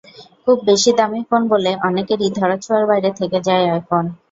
খুব বেশি দামি ফোন বলে অনেকেরই ধরাছোঁয়ার বাইরে থেকে যায় আইফোন।